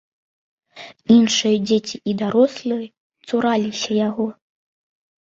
Іншыя дзеці і дарослыя цураліся яго.